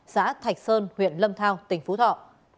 xã thạch sơn huyện lâm thao tỉnh phú thọ